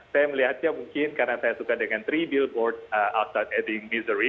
saya melihatnya mungkin karena saya suka dengan three billboards outside ebbing misery